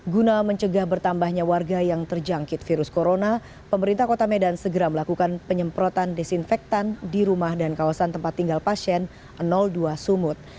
guna mencegah bertambahnya warga yang terjangkit virus corona pemerintah kota medan segera melakukan penyemprotan desinfektan di rumah dan kawasan tempat tinggal pasien dua sumut